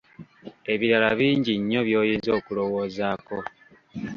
Ebirala bingi nnyo by’oyinza okulowoozaako.